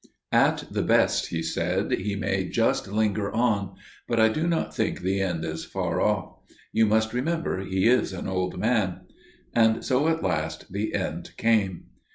"At the best," he said, "he may just linger on. But I do not think the end is far off. You must remember he is an old man." And so at last the end came.